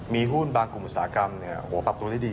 มีหุ้นบางกลุ่มอุตสาหกรรมปรับตัวได้ดี